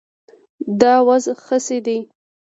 دا وز خسي دی